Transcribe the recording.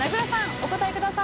お答えください。